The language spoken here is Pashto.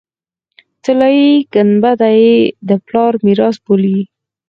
طلایي ګنبده یې د پلار میراث بولي.